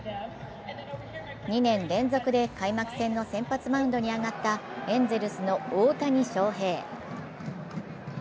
２年連続で開幕戦の先発マウンドに上がったエンゼルスの大谷翔平。